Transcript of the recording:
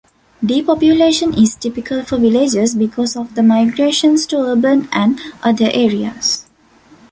Depopulation is typical for villages because of the migrations to urban and other areas.